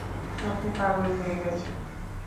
আপনি পাগল হয়ে গেছেন!